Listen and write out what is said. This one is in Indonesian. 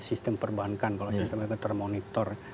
sistem perbankan kalau sistemnya tidak termonitor